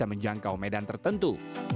bisa menjangkau medan tertentu